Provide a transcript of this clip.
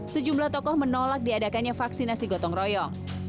sejumlah tokoh menolak diadakannya vaksinasi gotong royong